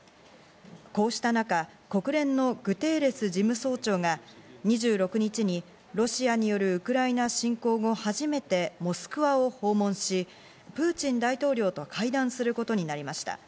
こうした中、国連のグテーレス事務総長が２６日にロシアによるウクライナ侵攻後、初めてモスクワを訪問し、プーチン大統領と会談することになりました。